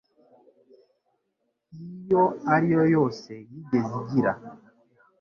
iyo ari yo yose yigeze igira.